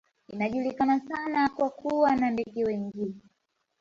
Inajulikana sana kwa kuwa na ndege wengi